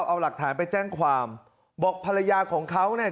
เอาหลักฐานไปแจ้งความบอกภรรยาของเขาเนี่ย